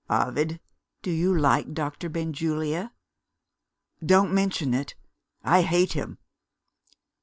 'Ovid, do you like Doctor Benjulia? Don't mention it; I hate him.